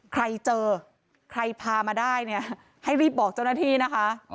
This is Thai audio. ใครเจอใครพามาได้เนี่ยให้รีบบอกเจ้าหน้าที่นะคะ